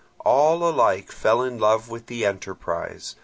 All alike fell in love with the enterprise.